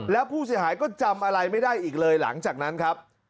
แล้วผู้เสียหายก็จำอะไรไม่ได้อีกเลยหลังจากนั้นครับ